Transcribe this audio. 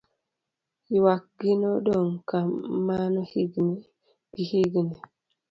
yuak gi nodong' kamano higni gihigni